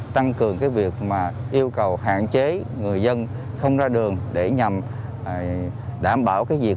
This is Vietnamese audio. tăng cường cái việc mà yêu cầu hạn chế người dân không ra đường để nhằm đảm bảo cái việc